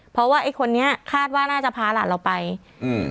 เพราะว่าไอ้คนนี้คาดว่าน่าจะพาหลานเราไปอืม